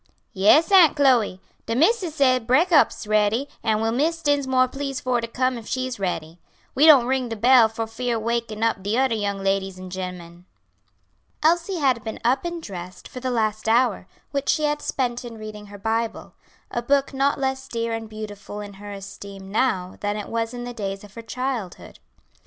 "Yes, Aunt Chloe; de missis say breakop's is ready, an' will Miss Dinsmore please for to come if she's ready. We don't ring de bell fear wakin' up de odder young ladies an' gemmen." Elsie had been up and dressed for the last hour, which she had spent in reading her Bible; a book not less dear and beautiful in her esteem now than it was in the days of her childhood.